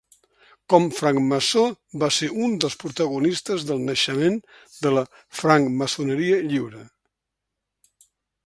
Com francmaçó va ser un dels protagonistes del naixement de la francmaçoneria lliure.